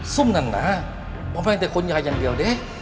ซุ่มนั้นน่ะว่าไม่แต่คนยายังเดียวดิ